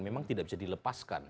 memang tidak bisa dilepaskan